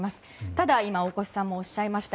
ただ今、大越さんもおっしゃいました